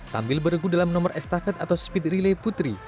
tampil beregu dalam nomor estafet atau speed relay putri